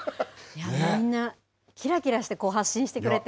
みんなきらきらして発信してくれて。